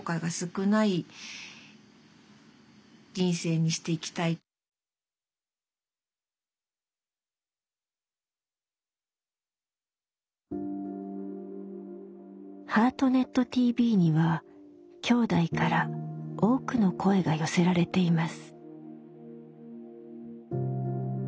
それでもやっぱり「ハートネットＴＶ」にはきょうだいから多くの声が寄せられています。